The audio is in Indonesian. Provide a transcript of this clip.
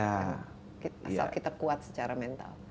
asal kita kuat secara mental